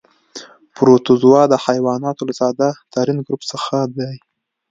پروتوزوا د حیواناتو له ساده ترین ګروپ څخه دي.